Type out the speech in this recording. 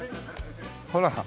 ほら。